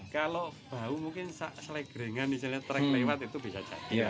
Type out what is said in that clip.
kalau bau mungkin selek ringan misalnya terang lewat itu bisa jadi